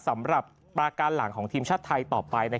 สำหรับประการหลังของทีมชาติไทยต่อไป